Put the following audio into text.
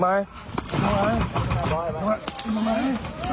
ทำไม